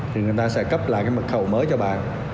thì người ta sẽ cấp lại cái mật khẩu mới cho bạn